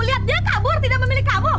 lihat dia kabur tidak memilih kabur